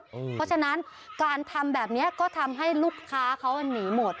เพราะฉะนั้นการทำแบบนี้ก็ทำให้ลูกค้าเขาหนีหมด